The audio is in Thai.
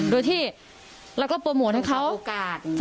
โดยที่เราก็โปรโมทให้เขา